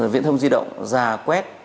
viện thông di động ra quét